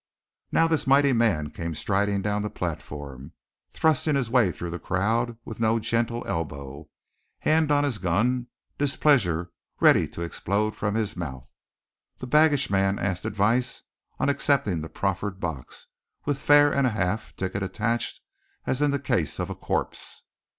Now this mighty man came striding down the platform, thrusting his way through the crowd with no gentle elbow, hand on his gun, displeasure ready to explode from his mouth. The baggage man asked advice on accepting the proffered box, with fare and a half ticket attached as in the case of a corpse.